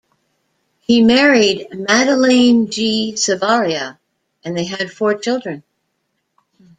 He married Madeleine G. Savaria and they had four children.